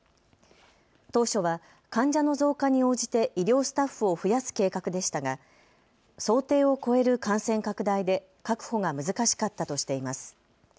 当初は患者の増加に応じて医療スタッフを増やす計画でしたが想定を超える感染拡大で確保が難しかったとしています。